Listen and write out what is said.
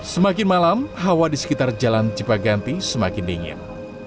semakin malam hawa di sekitar jalan cipaganti semakin dingin